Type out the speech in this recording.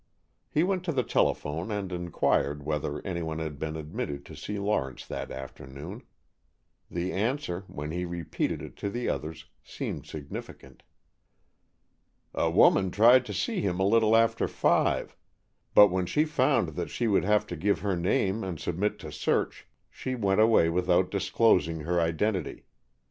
He went to the telephone and inquired whether anyone had been admitted to see Lawrence that afternoon. The answer, when he repeated it to the others, seemed significant. "A woman tried to see him a little after five, but when she found that she would have to give her name and submit to search, she went away without disclosing her identity.